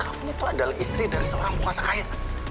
kamu itu adalah istri dari seorang bunga sakai